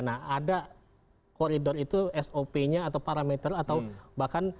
nah ada koridor itu sop nya atau parameter atau bahkan